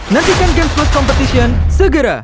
nantikan games plus competition segera